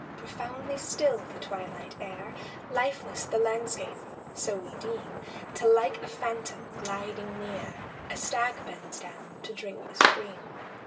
Profoundly still the twilight air, Lifeless the landscape; so we deem Till like a phantom gliding near A stag bends down to drink the stream.